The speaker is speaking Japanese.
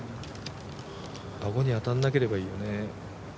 あごに当たらなければいいよね。